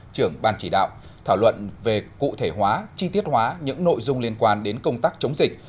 trưởng ban chỉ đạo thảo luận về cụ thể hóa chi tiết hóa những nội dung liên quan đến công tác chống dịch